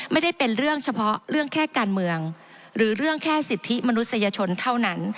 ไม่ได้เป็นเรื่องเฉพาะเรื่องแค่การเมืองหรือเรื่องแค่สิทธิมนุษยชนเท่านั้น